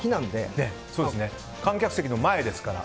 観客席の前ですから。